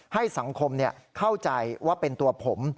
ให้สังคมเข้าใจว่าเป็นตัวผม